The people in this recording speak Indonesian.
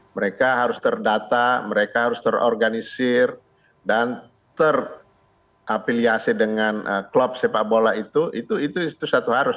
mereka harus terdata mereka harus terorganisir dan terafiliasi dengan klub sepak bola itu itu satu harus